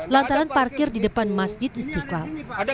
lantaran parkir di depan masjid istiqlal